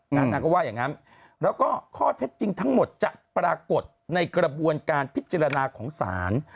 นางก็ว่าอย่างนั้นแล้วก็ข้อเท็จจริงทั้งหมดจะปรากฏในกระบวนการพิจารณาของศาล